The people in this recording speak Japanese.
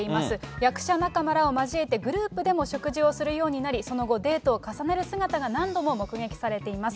役者仲間らを交えて、グループでも食事をするようになり、その後、デートを重ねる姿が何度も目撃されています。